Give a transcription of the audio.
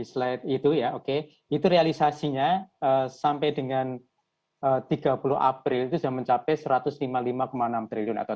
slide itu ya oke itu realisasinya sampai dengan tiga puluh april itu sudah mencapai satu ratus lima puluh lima enam triliun atau